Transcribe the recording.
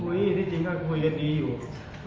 ที่จริงก็คุยกันดีอยู่